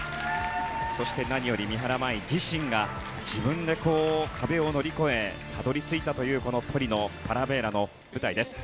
そして、何より三原舞依自身が自分で壁を乗り越えたどり着いたというこのトリノ・パラヴェーラの舞台です。